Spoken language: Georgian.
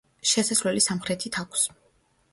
შესასვლელი სამხრეთით აქვს.